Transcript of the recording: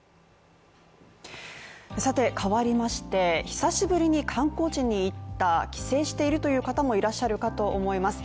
さて、変わりまして、久しぶりに観光地に行った帰省しているという方もいらっしゃるかと思います